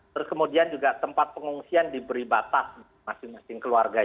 terus kemudian juga tempat pengungsian diberi batas masing masing keluarga